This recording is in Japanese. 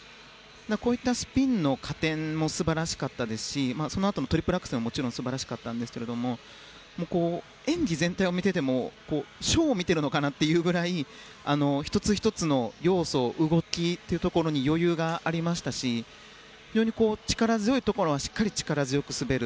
こういったスピンの加点も素晴らしかったですしそのあとのトリプルアクセルはもちろん素晴らしかったですが演技全体を見ていてもショーを見ているのかなというぐらい１つ１つの要素、動きに余裕がありましたし非常に力強いところは力強く滑る。